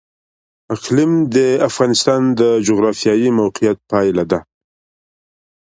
اقلیم د افغانستان د جغرافیایي موقیعت پایله ده.